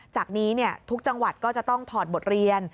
จากนี้ทุกจังหวัดก็จะต้องถอดบทเรียน